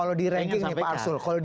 kalau di ranking nih pak arsul